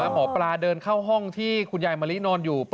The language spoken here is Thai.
หมอปลาเดินเข้าห้องที่คุณยายมะลินอนอยู่